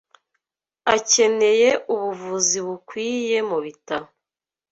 Akeneye ubuvuzi bukwiye mu bitaro.